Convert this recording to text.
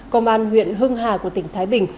công an nguyễn hưng hà của tỉnh thái bình